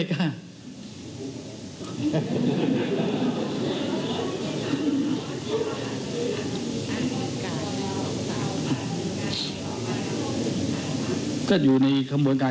ผมก็ไม่กล้า